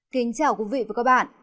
kính chào quý vị và các bạn